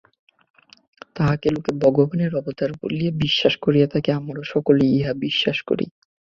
তাঁহাকে লোকে ভগবানের অবতার বলিয়া বিশ্বাস করিয়া থাকে, আমরা সকলেই ইহা বিশ্বাস করি।